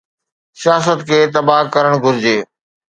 سياست کي تباهه ڪرڻ گهرجي.